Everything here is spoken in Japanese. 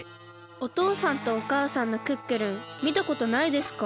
おとうさんとおかあさんのクックルンみたことないですか？